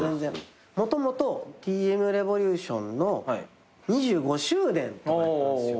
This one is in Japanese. もともとＴ．Ｍ．Ｒｅｖｏｌｕｔｉｏｎの２５周年とかやったんですよ。